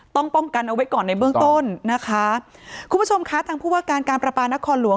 ต้องป้องกันเอาไว้ก่อนในเบื้องต้นนะคะคุณผู้ชมคะทางผู้ว่าการการประปานครหลวง